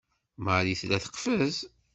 Marie tella teqfez.